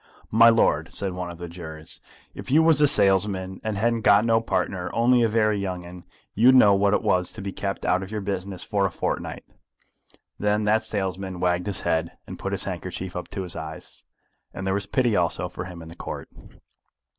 "My lord," said one of the jurors, "if you was a salesman, and hadn't got no partner, only a very young 'un, you'd know what it was to be kept out of your business for a fortnight." Then that salesman wagged his head, and put his handkerchief up to his eyes, and there was pity also for him in the Court.